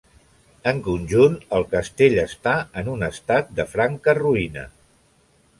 En conjunt el castell està en un estat de franca ruïna.